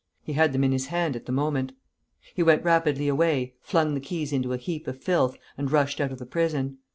He had them in his hand at the moment. He went rapidly away, flung the keys into a heap of filth, and rushed out of the prison.